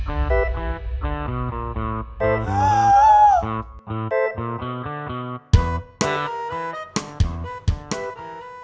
enggak enggak enggak